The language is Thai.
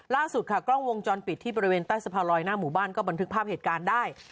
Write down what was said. ล่าสุดค่ะกล้องวงจรปิดที่บริเวณใต้สะพานลอยหน้าหมู่บ้านก็บันทึกภาพเหตุการณ์ได้